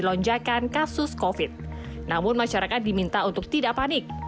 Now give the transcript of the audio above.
lonjakan kasus covid namun masyarakat diminta untuk tidak panik